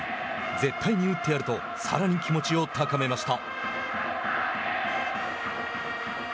絶対に打ってやるとさらに気持ちを高めました。